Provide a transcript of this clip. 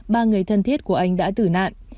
ba người thân thiết của anh đã tử nạn